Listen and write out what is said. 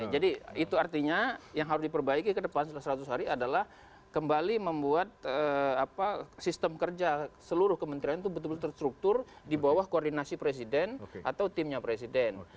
jadi itu artinya yang harus diperbaiki ke depan seratus hari adalah kembali membuat sistem kerja seluruh kementerian itu betul betul terstruktur di bawah koordinasi presiden atau timnya presiden